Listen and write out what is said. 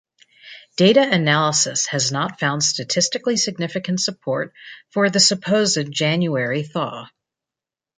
Data analysis has not found statistically significant support for the supposed January thaw.